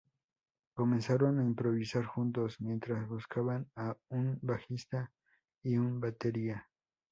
Comenzaron a improvisar juntos mientras buscaban un bajista y un batería.